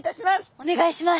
お願いします。